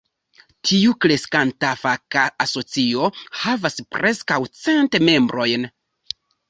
Tiu kreskanta faka asocio havas preskaŭ cent membrojn.